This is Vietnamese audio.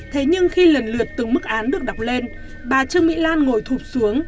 thế nhưng khi lần lượt từng mức án được đọc lên bà trương mỹ lan ngồi thụp xuống